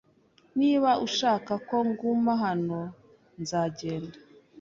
Niba udashaka ko nguma hano, nzagenda